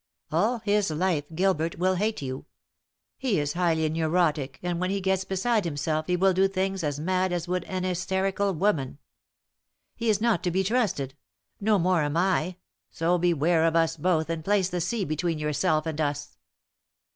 All his life Gilbert will hate you. He is highly neurotic, and when he gets besides himself he will do things as mad as would an hysterical woman. He is not to be trusted no more am I so beware of us both, and place the sea between yourself and us."